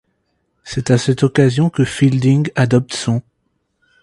C'est à cette occasion que Fielding adopte son ''.